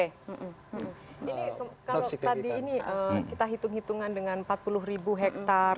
ini kalau tadi ini kita hitung hitungan dengan empat puluh ribu hektare